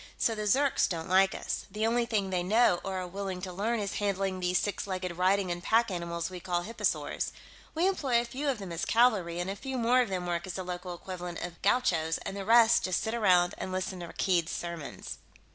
So the Zirks don't like us. The only thing they know or are willing to learn is handling these six legged riding and pack animals we call hipposaurs. We employ a few of them as cavalry, and a few more of them work as the local equivalent of gauchos, and the rest just sit around and listen to Rakkeed's sermons."